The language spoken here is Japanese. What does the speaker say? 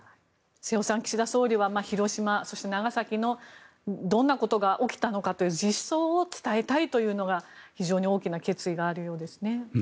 瀬尾さん岸田総理は広島、長崎のどんなことが起きたのかという実相を伝えたいというのが非常に大きな決意があるようですね。